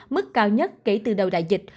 mức cao nhất kể từ đầu đại dịch